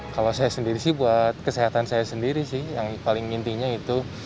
kalau saya sendiri sih buat kesehatan saya sendiri sih yang paling intinya itu